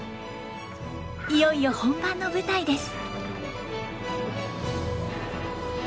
いよいよ本番の舞台です。